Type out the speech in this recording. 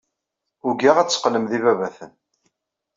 Ugaɣ ad teqqlem d ibabaten.